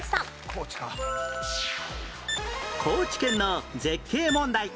高知県の絶景問題